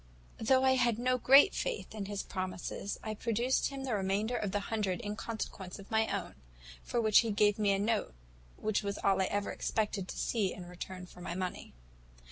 "Though I had no great faith in his promises, I produced him the remainder of the hundred in consequence of my own; for which he gave me a note, which was all I ever expected to see in return for my money.